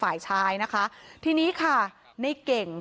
คำให้การในกอล์ฟนี่คือคำให้การในกอล์ฟนี่คือ